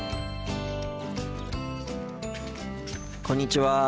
こんにちは。